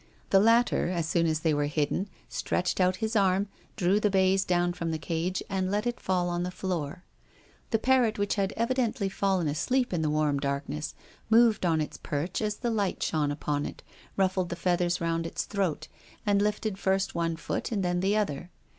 The latter, as soon as they were hidden, stretched out his arm, drew the baize down from the cage, and let it fall on the floor. The parrot, which had evidently fallen asleep in the warm darkness, moved on its perch as the light shone upon it, ruffled the feathers round its throat, and lifted first one foot and then the other.